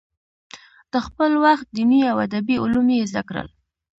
د خپل وخت دیني او ادبي علوم یې زده کړل.